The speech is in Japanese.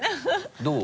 どう？